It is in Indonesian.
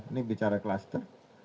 ini bicara klaster